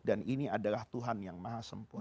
ini adalah tuhan yang maha sempurna